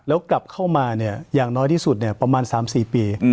แล้วกลับเข้ามาเนี่ยอย่างน้อยที่สุดเนี่ยประมาณ๓๔ปี